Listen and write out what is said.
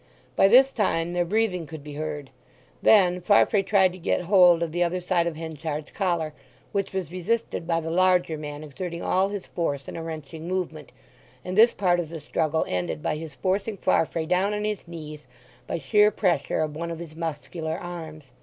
By this time their breathing could be heard. Then Farfrae tried to get hold of the other side of Henchard's collar, which was resisted by the larger man exerting all his force in a wrenching movement, and this part of the struggle ended by his forcing Farfrae down on his knees by sheer pressure of one of his muscular arms.